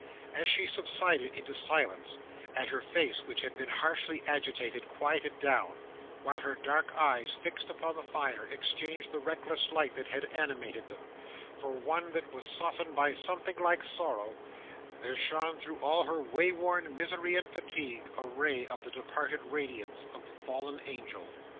As she subsided into silence, and her face which had been harshly agitated, quieted down; while her dark eyes, fixed upon the fire, exchanged the reckless light that had animated them, for one that was softened by something like sorrow; there shone through all her wayworn misery and fatigue, a ray of the departed radiance of the fallen angel.